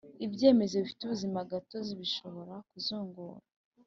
Ibyemezo bifite ubuzimagatozi bishobora kuzungura